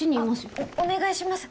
あっお願いします